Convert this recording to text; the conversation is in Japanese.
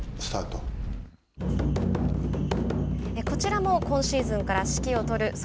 こちらも今シーズンから指揮を執る